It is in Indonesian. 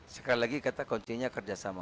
sekali lagi kata kuncinya kerjasama